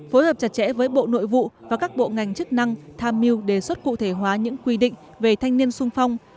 phối hợp chặt chẽ với bộ nội vụ và các bộ ngành chức năng tham mưu đề xuất cụ thể hóa những quy định về thanh niên sung phong